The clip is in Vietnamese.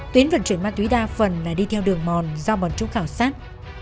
tuyến vận chuyển ma túy đa phần là đi theo đường mòn do bọn chúng khảo sát